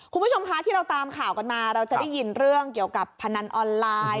คุณผู้ชมคะที่เราตามข่าวกันมาเราจะได้ยินเรื่องเกี่ยวกับพนันออนไลน์